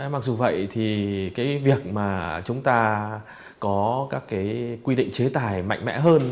mặc dù vậy thì việc chúng ta có các quy định chế tài mạnh mẽ hơn